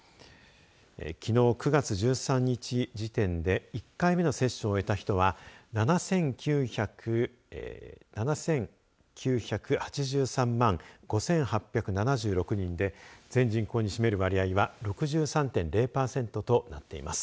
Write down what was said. きのう９月１３日時点で１回目の接種を終えた人は７９８３万５８７６人で全人口に占める割合は６３．０パーセントとなっています。